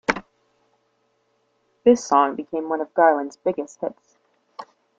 This song became one of Garland's biggest hits.